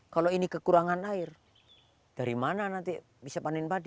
kalau ini kekurangan air dari mana nanti bisa panen padi